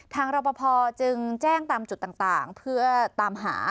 รอปภจึงแจ้งตามจุดต่างเพื่อตามหา